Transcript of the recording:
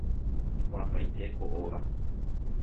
iporãmbaite ko óga